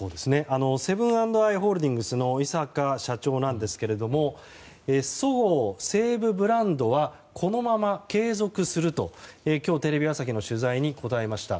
セブン＆アイ・ホールディングスの井阪社長はそごう・西武ブランドはこのまま継続すると今日、テレビ朝日の取材に答えました。